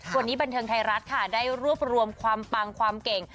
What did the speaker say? วันนี้บันเทิงไทยรัฐค่ะได้รวบรวมความปังความเก่ง